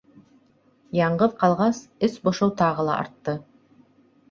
Яңғыҙ ҡалғас, эс бошоу тағы ла артты.